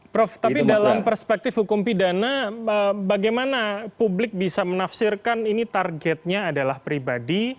prof tapi dalam perspektif hukum pidana bagaimana publik bisa menafsirkan ini targetnya adalah pribadi